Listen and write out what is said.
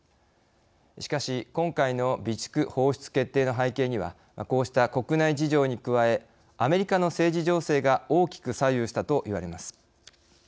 しかし、今回の備蓄放出決定の背景にはこうした国内事情に加えアメリカの政治情勢が大きく左右したといわれています。